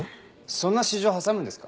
そんな私情挟むんですか？